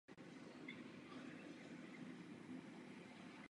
Nyní přichází okamžik pravdy.